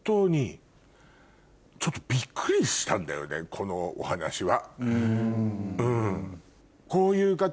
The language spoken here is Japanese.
このお話は。